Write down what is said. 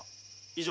以上。